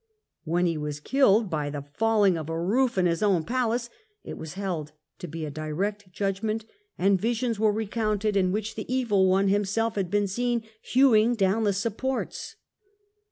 ^Vhen he was killed by the falling of a roof in his own palace, it was held to be a direct judg ment, and visions were recounted in which the Evil One himself had been seen hewing down the supports.